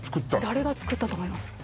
誰が作ったと思います？